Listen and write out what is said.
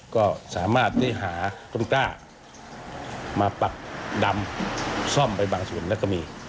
ก็สามารถได้หาต้นต้ามาปักดำซ่อมไปบางส่วนแล้วก็มี